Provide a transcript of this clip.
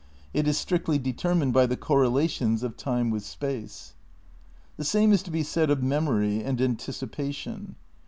It is strictly determined by the correla tions of time with space. The same is to be said of memory and anticipation.